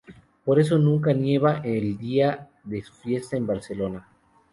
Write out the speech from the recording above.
Por eso nunca nieva el día de su fiesta en Barcelona.